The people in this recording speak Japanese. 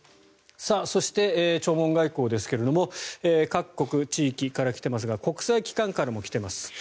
そして、弔問外交ですが各国地域から来ていますが国際機関からも来ています。